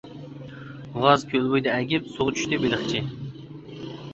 غازكۆل بويىدا ئەگىپ، سۇغا چۈشتى بېلىقچى.